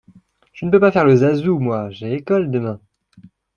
Je ne peux pas faire le zazou, moi, j’ai école, demain.